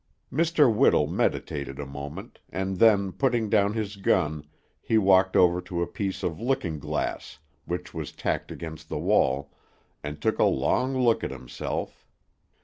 Mr. Whittle meditated a moment, and then putting down his gun he walked over to a piece of looking glass, which was tacked against the wall, and took a long look at himself.